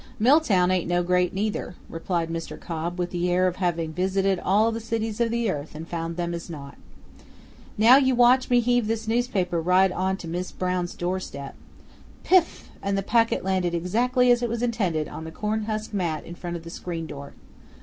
"Milltown ain't no great, neither," replied Mr. Cobb, with the air of having visited all the cities of the earth and found them as naught. "Now you watch me heave this newspaper right onto Mis' Brown's doorstep." Piff! and the packet landed exactly as it was intended, on the corn husk mat in front of the screen door.